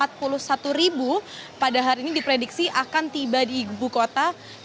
jadi ini adalah satu dari beberapa kota yang sudah selesai melakukan perjalanan ke kampung halaman